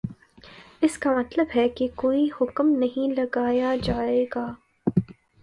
اس کا مطلب یہ ہے کہ کوئی حکم نہیں لگایا جائے گا